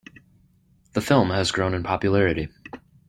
The film has grown in popularity.